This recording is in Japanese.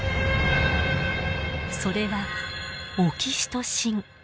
それがオキシトシン。